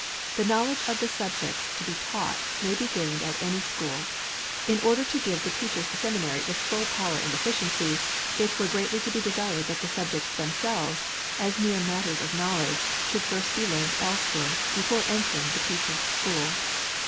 The knowledge of the subjects to be taught, may be gained at any school. In order to give to the Teachers' Seminary its full power and efficiency, it were greatly to be desired that the subjects themselves, as mere matters of knowledge, should be first learned elsewhere, before entering the Teachers' School.